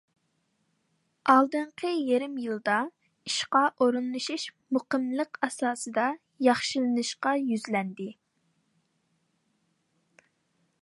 ئالدىنقى يېرىم يىلدا ئىشقا ئورۇنلىشىش مۇقىملىق ئاساسىدا ياخشىلىنىشقا يۈزلەندى.